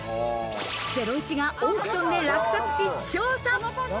『ゼロイチ』がオークションで落札し、調査。